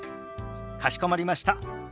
かしこまりました。